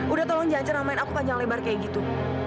udah tolong janjikan ramain aku panjang lebar kayak gitu